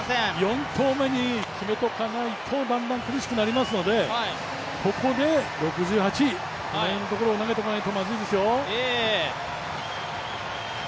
４投目に決めておかないとだんだん苦しくなりますのでここで６８、この辺のところを投げとかないとまずいですよ。